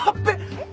えっ？